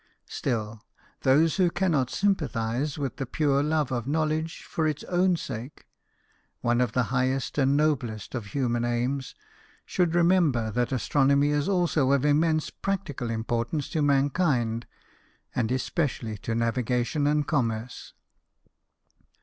Still, those who cannot sympathize with the pure love of knowledge for its own sake one of the highest and noblest of human aims should remember that astronomy is also of immense practical importance to mankind, and especially to navigation and commerce.